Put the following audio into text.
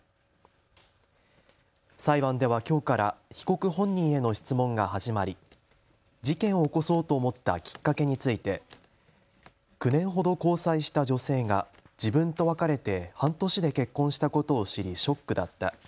裁判ではきょうから被告本人への質問が始まり事件を起こそうと思ったきっかけについて９年ほど交際した女性が自分と別れて半年で結婚したことを知りショックだった。